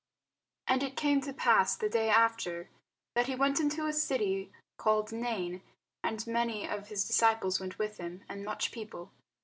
And it came to pass the day after, that he went into a city called Nain; and many of his disciples went with him, and much people.